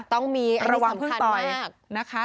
ต้องมีอันนี้สำคัญมากระวังพึ่งต่อยนะคะ